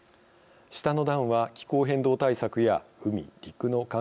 下の段は「気候変動対策」や「海・陸の環境保全」